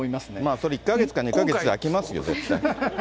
それ１か月か２か月で飽きますよ、絶対。